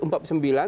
empat puluh sembilan